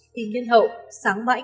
khi nhân hậu sáng mãi